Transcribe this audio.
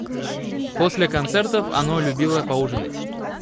После концертов оно любило поужинать.